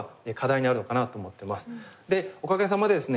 おかげさまでですね